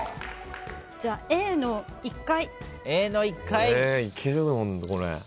じゃあＡの１階。